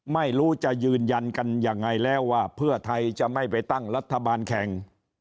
ไม่รู้จะยืนยันกันยังไงแล้วว่าเพื่อไทยจะไม่ไปตั้งรัฐบาลแข่ง